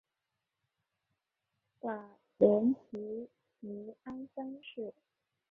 瓦伦提尼安三世。